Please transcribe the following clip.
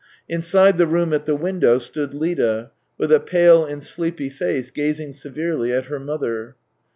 Inside the room at the window stood Lida, with a pale and sleepy face, gazing severely at her mother.